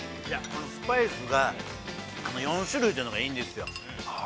◆スパイスが、４種類というのがいいんですよ。